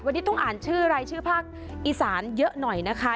วันนี้ต้องอ่านชื่อรายชื่อภาคอีสานเยอะหน่อยนะคะ